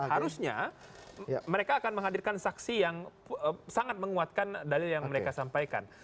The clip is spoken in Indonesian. harusnya mereka akan menghadirkan saksi yang sangat menguatkan dalil yang mereka sampaikan